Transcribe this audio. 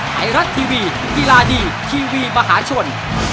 ไทยรัฐทีวีกีฬาดีทีวีมหาชน